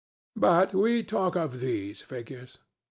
But we talk of these figures.